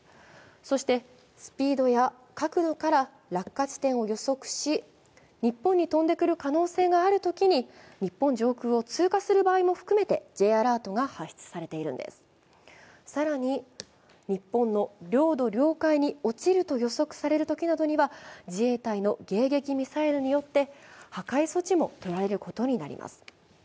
そして、スピードや角度から落下地点を予測し日本に飛んでくる可能性があるときに、日本上空を通過する場合も含めてＪアラートが発出されているんです更に、日本の領土・領海に落ちると予測されるときなどには、自衛隊の迎撃ミサイルによって破壊措置もとられることになります。